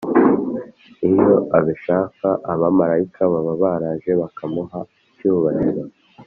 iyo abishaka, abamarayika baba baraje bakamuha icyubahiro,